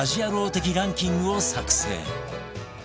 的ランキングを作成